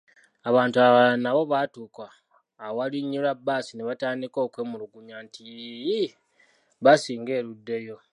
Abantu abalala nabo baatuuka awalinyirwa bbaasi ne batandika okwemulugunya nti, yiiii, bbaasi nga eruddeyo?